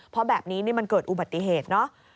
เพราะแบบนี้มันเกิดอุบัติเหตุเนอะ